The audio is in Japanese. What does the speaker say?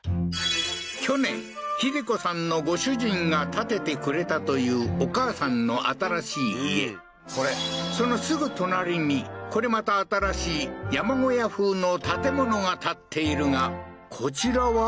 去年秀子さんのご主人が建ててくれたというお母さんの新しい家そのすぐ隣にこれまた新しい山小屋風の建物が建っているがこちらは？